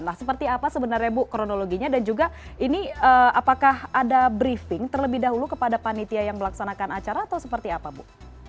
nah seperti apa sebenarnya bu kronologinya dan juga ini apakah ada briefing terlebih dahulu kepada panitia yang melaksanakan acara atau seperti apa bu